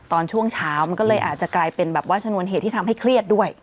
ตอนช่วงเช้ามันก็เลยอาจจะกลายเป็นแบบว่าชนวนเหตุที่ทำให้เครียดด้วย